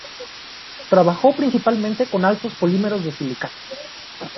Trabajó principalmente con altos polímeros de silicatos.